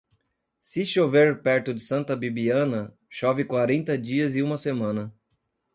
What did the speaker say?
Se chover perto de Santa Bibiana, chove quarenta dias e uma semana.